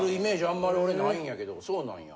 あんまり俺ないんやけどそうなんや。